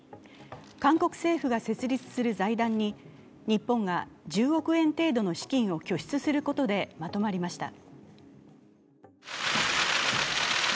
韓国政府が設立する財団に日本が１０億円程度の資金を拠出することでまとりました。